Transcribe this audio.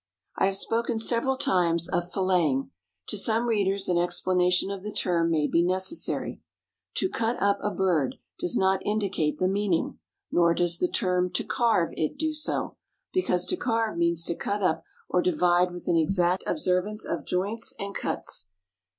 I have spoken several times of "filleting." To some readers an explanation of the term may be necessary. To "cut up" a bird does not indicate the meaning, nor does the term "to carve" it do so, because to carve means to cut up or divide with an exact observance of joints and "cuts."